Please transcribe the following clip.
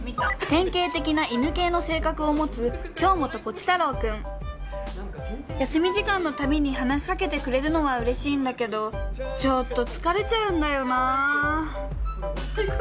典型的な犬系の性格を持つ休み時間の度に話しかけてくれるのはうれしいんだけどちょっと疲れちゃうんだよな。